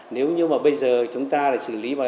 nếu như mà bây giờ chúng ta xử lý